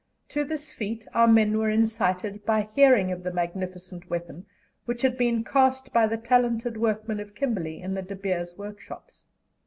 To this feat our men were incited by hearing of the magnificent weapon which had been cast by the talented workmen of Kimberley in the De Beers workshops.